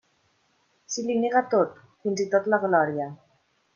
Se li nega tot, fins i tot la glòria.